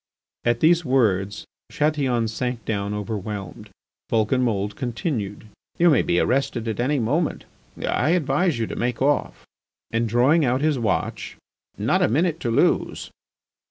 At these words Chatillon sank down overwhelmed. Vulcanmould continued: "You may be arrested any moment. I advise you to make off." And drawing out his watch: "Not a minute to lose."